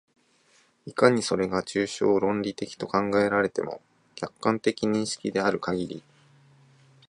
いかにそれが抽象論理的と考えられても、客観的認識であるかぎり、